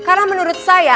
karena menurut saya